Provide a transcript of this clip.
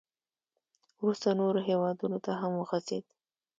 • وروسته نورو هېوادونو ته هم وغځېد.